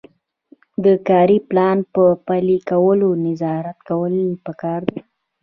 د کاري پلان په پلي کولو نظارت کول پکار دي.